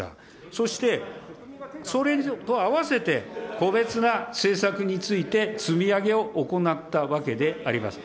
そして、それとあわせて、個別な政策について、積み上げを行ったわけであります。